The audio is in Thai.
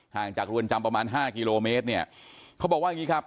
งจากเรือนจำประมาณห้ากิโลเมตรเนี่ยเขาบอกว่าอย่างงี้ครับ